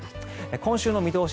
今週の見通し